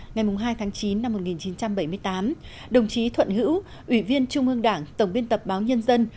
ngày hai tháng chín năm một nghìn chín trăm bảy mươi tám đồng chí thuận hữu ủy viên trung ương đảng tổng biên tập báo nhân dân